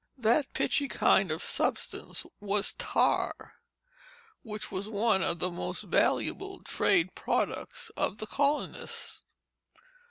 That pitchy kind of substance was tar, which was one of the most valuable trade products of the colonists.